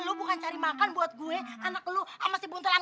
lu bukan cari makan buat gue anak lu sama si buntetan